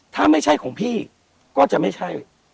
ถ้าไม่ใช่ของพี่ก็จะไม่ใช่